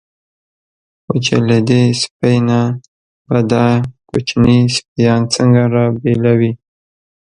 خو چې له دې سپۍ نه به دا کوچني سپیان څنګه را بېلوي.